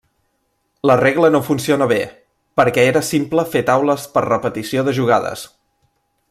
La regla no funcionà bé, perquè era simple fer taules per repetició de jugades.